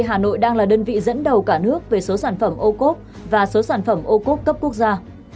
hà nội đang là đơn vị dẫn đầu cả nước về số sản phẩm ô cốp và số sản phẩm ô cốp cấp quốc gia